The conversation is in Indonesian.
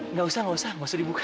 nggak usah nggak usah masuk dibuka